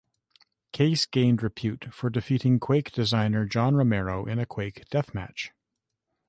Case gained repute for defeating "Quake" designer John Romero in a "Quake" deathmatch.